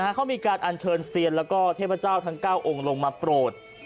เขามีการอัญเชิญเซียนแล้วก็เทพเจ้าทั้ง๙องค์ลงมาโปรด